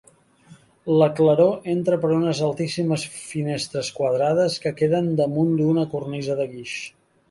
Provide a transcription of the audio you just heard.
La claror entra per unes altíssimes finestres quadrades que queden damunt d'una cornisa de guix.